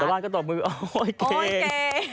จรานก็ตอบมือโอ๊ยเก่งโอ๊ยเก่ง